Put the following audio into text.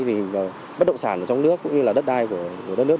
tình hình bất động sản trong nước cũng như đất đai của đất nước